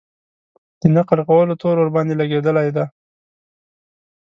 د نقل کولو تور ورباندې لګېدلی دی.